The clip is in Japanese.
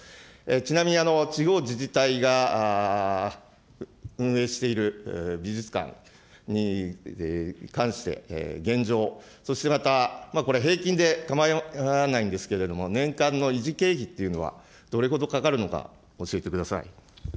ちなみに、地方自治体が運営している美術館に関して、現状、そしてまた、これ、平均で構わないんですけれども、年間の維持経費というのはどれほどかかるのか教えてください。